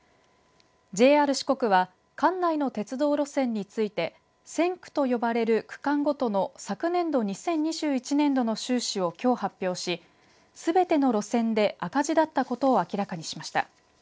ＪＲ四国は管内の鉄道路線について線区と呼ばれる区間ごとの昨年度２０２１年度の収支をきょう発表し、すべての路線で赤字だったことを明らかにしました。